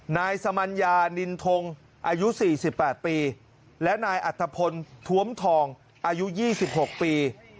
นายสมัญญานินทงอายุ๔๘ปีและนายอัตภพลท้วมทองอายุ๒๖ปี